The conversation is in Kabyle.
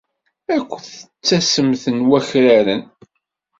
Akked tassemt n wakraren.